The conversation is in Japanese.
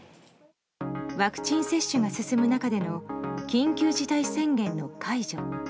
ワクチン接種が進む中での緊急事態宣言の解除。